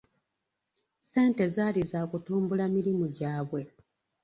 Ssente zaali za kutumbula mirimu gyabwe.